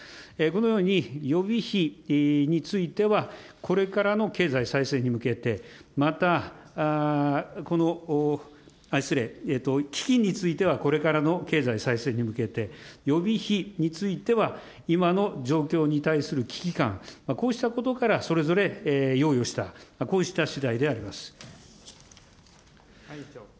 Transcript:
このように、予備費についてはこれからの経済再生に向けて、また、失礼、基金についてはこれからの経済再生に向けて、予備費については、今の状況に対する危機感、こうしたことからそれぞれ用意をした、こうしたしだいであります。